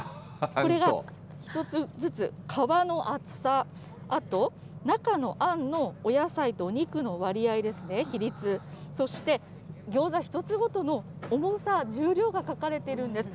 これが１つずつ皮の厚さ、あと、中のあんのお野菜とお肉の割合ですね、比率、そしてギョーザ１つごとの重さ、重量が書かれているんです。